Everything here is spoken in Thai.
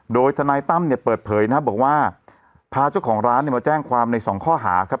โดยทนายตั้มเปิดเผยบอกว่าพาเจ้าของร้านมาแจ้งความใน๒ข้อหาครับ